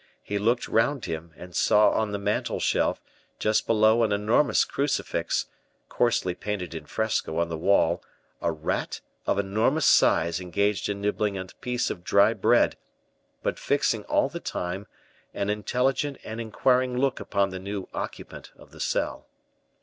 He looked round him, and saw on the mantel shelf, just below an enormous crucifix, coarsely painted in fresco on the wall, a rat of enormous size engaged in nibbling a piece of dry bread, but fixing all the time, an intelligent and inquiring look upon the new occupant of the cell.